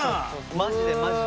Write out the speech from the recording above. マジでマジで。